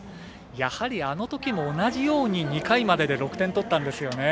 やはり、あのときも同じように２回までで６点取ったんですよね。